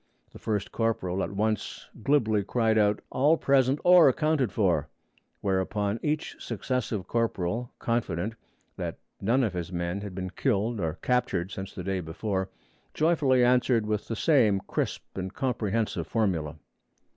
The first corporal at once glibly cried out, 'All present or accounted for'; whereupon each successive corporal, confident that none of his men had been killed or captured since the day before, joyfully answered with the same crisp and comprehensive formula.